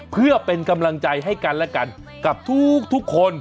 เพื่อเป็นกำลังใจให้กันและกันกับทุกคน